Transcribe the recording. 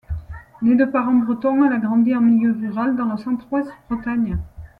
Née de parents bretons, elle a grandi en milieu rural dans le Centre-Ouest Bretagne.